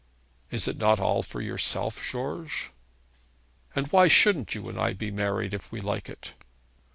'Is it not all for yourself, George?' 'And why shouldn't you and I be married if we like it?'